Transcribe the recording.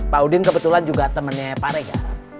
pak udin kebetulan juga temennya pak rega